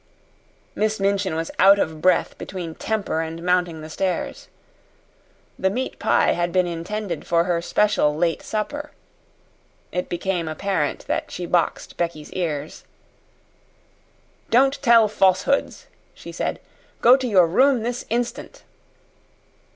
Miss Minchin was out of breath between temper and mounting the stairs. The meat pie had been intended for her special late supper. It became apparent that she boxed Becky's ears. "Don't tell falsehoods," she said. "Go to your room this instant."